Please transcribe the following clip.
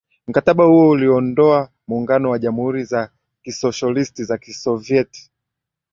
mkataba huo uliondoa muungano wa jamhuri za kisosholisti za kisovyeti